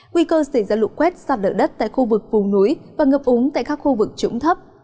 quy cơ sẽ ra lụ quét sạt đỡ đất tại khu vực phù núi và ngập úng tại các khu vực trũng thấp